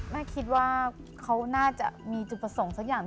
แม่คิดว่าเขาน่าจะมีจุดประสงค์สักอย่าง